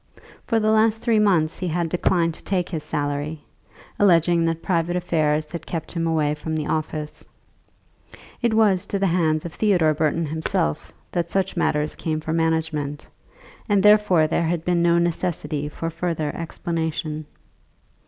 For the last three months he had declined to take his salary, alleging that private affairs had kept him away from the office. It was to the hands of Theodore Burton himself that such matters came for management, and therefore there had been no necessity for further explanation.